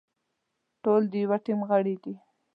ټول د يوه ټيم غړي دي.